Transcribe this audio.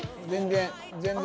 全然。